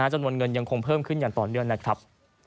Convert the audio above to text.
จำนวนเงินยังคงเพิ่มขึ้นอย่างต่อเนื่องนะครับ